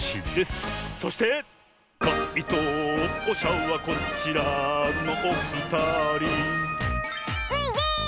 「かいとうしゃはこちらのおふたり」スイです！